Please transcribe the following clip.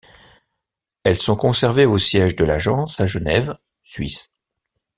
Elles sont conservées au siège de l'agence à Genève, Suisse.